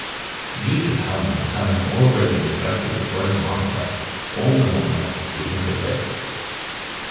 Due to Halman having already infected the first monolith, all the monoliths disintegrate.